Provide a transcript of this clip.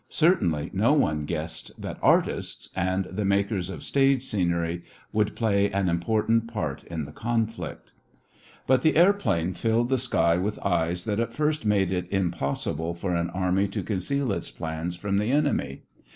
Certainly no one guessed that artists and the makers of stage scenery would play an important part in the conflict. But the airplane filled the sky with eyes that at first made it impossible for an army to conceal its plans from the enemy.